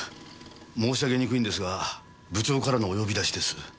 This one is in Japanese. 申し上げにくいんですが部長からのお呼び出しです。